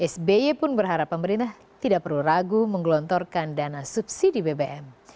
sby pun berharap pemerintah tidak perlu ragu menggelontorkan dana subsidi bbm